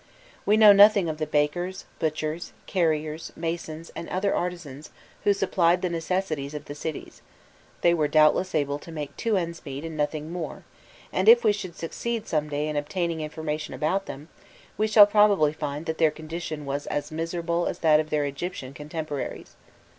We know nothing of the bakers, butchers, carriers, masons, and other artisans who supplied the necessities of the cities: they were doubtless able to make two ends meet and nothing more, and if we should succeed some day in obtaining information about them, we shall probably find that their condition was as miserable as that of their Egyptian contemporaries.